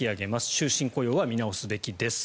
終身雇用は見直すべきです。